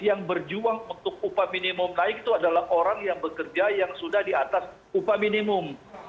yang berjuang untuk upah minimum naik itu adalah orang yang bekerja yang sudah di atas upah minimum